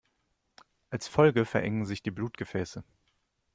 Als Folge verengen sich die Blutgefäße.